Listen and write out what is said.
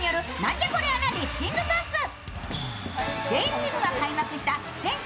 Ｊリーグが開幕した